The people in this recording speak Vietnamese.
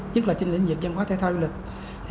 nhất là trên lĩnh vực văn hóa thể thao du lịch